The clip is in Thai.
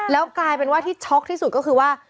แล้วกลายเป็นว่าที่ช็อกที่สุดก็คือว่า